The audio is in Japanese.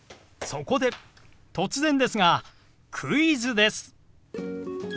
そこで突然ですがクイズです！